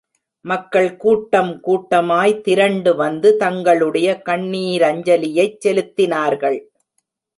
மக்கள் கூட்டம் கூட்டமாய் திரண்டு வந்து தங்களுடைய கண்ணீரஞ்சலியைச் செலுத்தினார்கள்.